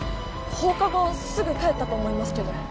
放課後すぐ帰ったと思いますけど。